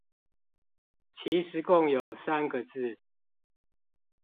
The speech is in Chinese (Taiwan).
其實共有三個字